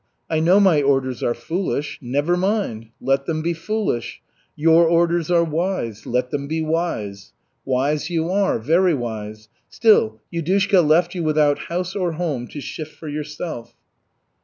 I know my orders are foolish. Never mind, let them be foolish. Your orders are wise. Let them be wise. Wise you are, very wise, still Yudushka left you without house or home, to shift for yourself."